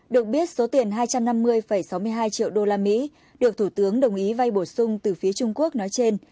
được biết số tiền hai trăm năm mươi sáu mươi hai triệu usd được thủ tướng đồng ý vay bổ sung từ phía trung quốc nói trên